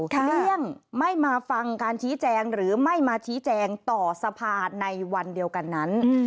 เลี่ยงไม่มาฟังการชี้แจงหรือไม่มาชี้แจงต่อสภาในวันเดียวกันนั้น